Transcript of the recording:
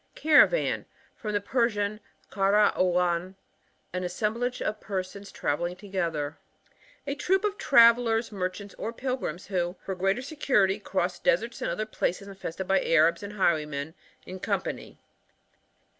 Caravan. — From the Persian, hara" otian^ an assemblage of persons travelling together. A troop of travellers, merchants or pilgrims, who, for greater security, cross the deserts and other places infested by Arabs and highwaymen, in company.